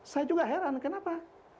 saya juga heran kenapa